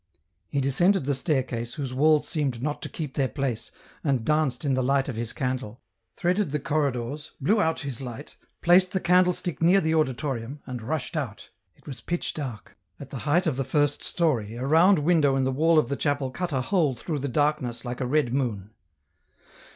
He descended the staircase, whose walls seemed not to keep their place, and danced in the light of his candle, threaded the corridors, blew out his light, placed the candlestick near the auditorium, and rushed out. It was pitch dark ; at the height of the first story a round window in the wall of the chapel cut a hole through the darkness like a red moon.